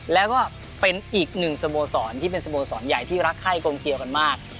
แล้วก็เป็นอีกหนึ่งสโมสรที่เป็นสโมสรใหญ่ที่รักไข้กลมเกียวกันมาก